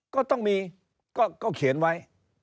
ก็ต้องมีก็เขียนไว้